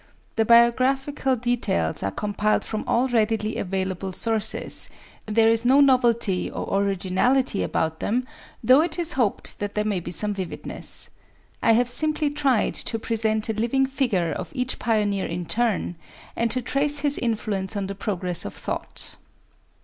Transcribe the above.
The biographical details are compiled from all readily available sources, there is no novelty or originality about them; though it is hoped that there may be some vividness. I have simply tried to present a living figure of each Pioneer in turn, and to trace his influence on the progress of thought.